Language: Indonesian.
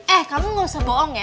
eh kamu gak usah bohong ya